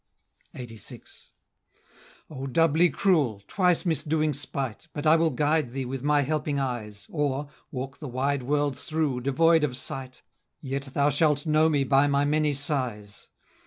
LXXXVI. "O doubly cruel! twice misdoing spite, But I will guide thee with my helping eyes, Or walk the wide world through, devoid of sight, Yet thou shalt know me by my many sighs.